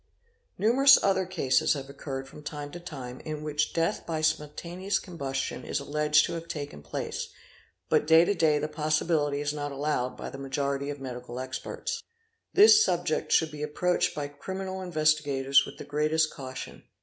Numerous other cases have occurred from time _to time in which death by spontaneous combustion is alleged to have taken place, but to day the possibility is not allowed by the majority of medical experts. This subject should be approached by criminal investi gators with the greatest caution.